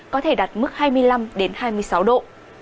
có thể đạt mức hai mươi năm hai mươi sáu độ